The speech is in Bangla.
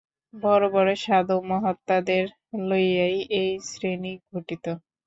বড় বড় সাধু-মহাত্মাদের লইয়াই এই শ্রেণী গঠিত।